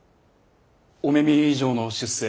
御目見以上の出世。